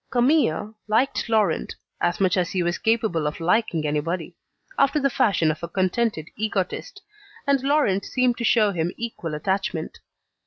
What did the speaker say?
Camille liked Laurent, as much as he was capable of liking anybody, after the fashion of a contented egotist, and Laurent seemed to show him equal attachment.